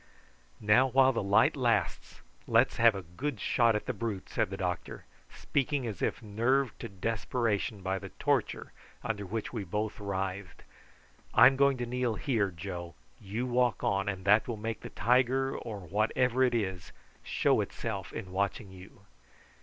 "Now while the light lasts let's have a good shot at the brute," said the doctor, speaking as if nerved to desperation by the torture under which we both writhed. "I'm going to kneel here, Joe; you walk on, and that will make the tiger, or whatever it is, show itself in watching you."